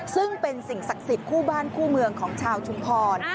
ซึ่งเป็นสิ่งศักดิ์สิทธิ์คู่บ้านคู่เมืองของชาวชุมพร